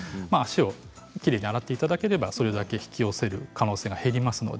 きれいに洗っていただけると引き寄せる可能性が減ります。